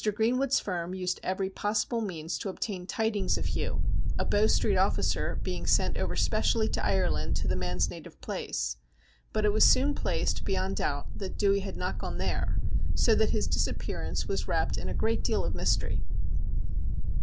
Greenwood's firm used every possible means to obtain tidings of Hugh, a Bow Street officer being sent over specially to Ireland to the man's native place. But it was soon placed beyond doubt that Dewey had not gone there, so that his disappearance was wrapped in a great deal of mystery.